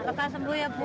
kota sembuh ya bu